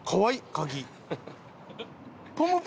鍵